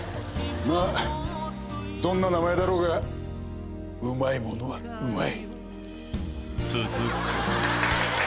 まあどんな名前だろうがうまいものはうまい。